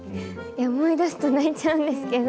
思い出すと泣いちゃうんですけれども。